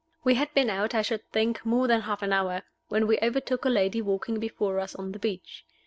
We had been out, I should think, more than half an hour, when we overtook a lady walking before us on the beach.